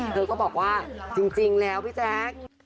เธอก็บอกว่าจริงแล้วพี่แจ๊ค